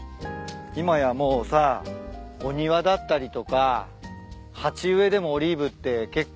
今やもうさお庭だったりとか鉢植えでもオリーブって結構ね